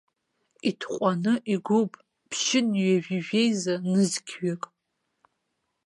Иҭҟәаны игоуп ԥшьынҩажәижәеиза нызқьҩык.